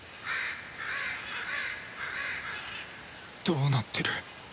どうなってる？